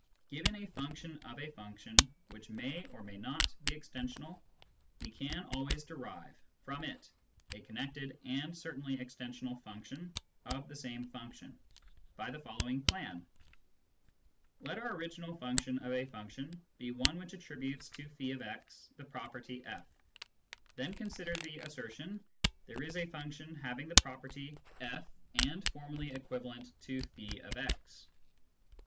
Given a function of a function which may or may not be extensional, we can always derive from it a connected and certainly extensional function of the same function, by the following plan : Let our original function of a function be one which attributes to <f>x the property/; then consider the asser tion " there is a function having the property / and formally equivalent to tf>x."